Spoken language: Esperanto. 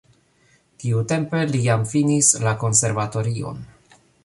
Tiutempe li jam finis la konservatorion.